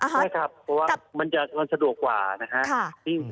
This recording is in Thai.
ใช่ครับเพราะว่ามันสะดวกกว่านะฮะ